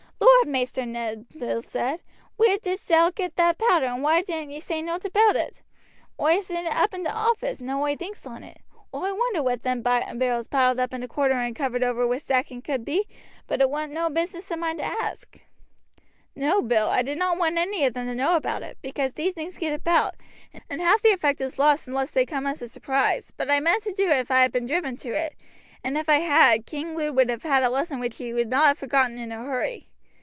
"Lord, Maister Ned," Bill said, "where didst thou get that powder, and why didn't ye say nowt about it? Oi ha' seen it up in the office, now oi thinks on it. Oi wondered what them barrels piled up in a corner and covered over wi' sacking could be; but it warn't no business o' mine to ax." "No, Bill, I did not want any of them to know about it, because these things get about, and half the effect is lost unless they come as a surprise; but I meant to do it if I had been driven to it, and if I had, King Lud would have had a lesson which he would not have forgotten in a hurry.